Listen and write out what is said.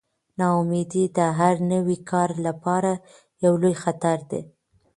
ناامیدي د هر نوي کار لپاره یو لوی خطر دی.